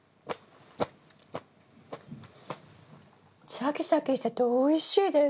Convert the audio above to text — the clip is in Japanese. シャキシャキしてておいしいです。